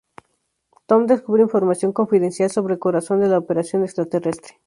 Tom descubre información confidencial sobre el corazón de la operación extraterrestre.